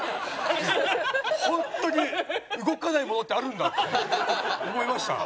ホントに動かないものってあるんだって思いました。